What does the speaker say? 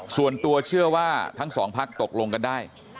ส่วนตัวเชื่อว่าทั้งสองพักตกลงกันได้